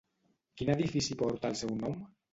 Quin edifici porta el seu nom?